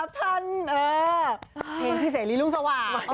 เพลงพิเศษนี้รุ่งสว่าง